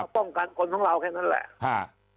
ป้องกันคนของเราแค่นั้นแหละ